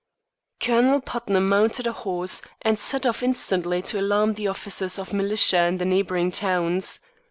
Colonel Putnam mounted a horse, and set off instantly to alarm the officers of militia in the neighboring towns.